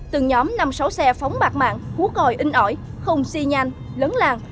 từng nhóm năm sáu xe phóng bạc mạng húa còi in ỏi không xi nhanh lấn làng